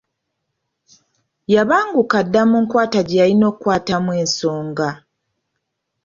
Yabanguka dda mu nkwata gye yalina okukwatamu ensonga.